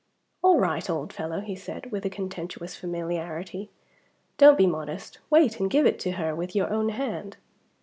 "All right, old fellow!" he said, with contemptuous familiarity. "Don't be modest. Wait and give it to her with your own hand."